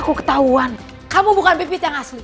kamu ketahuan kamu bukan pipit yang asli